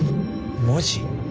文字？